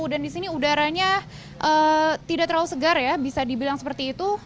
dan disini udaranya tidak terlalu segar ya bisa dibilang seperti itu